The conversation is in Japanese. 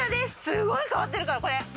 すごい変わってるからこれ。